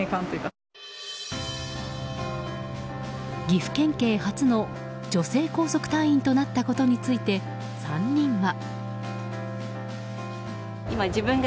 岐阜県警初の女性高速隊員となったことについて、３人は。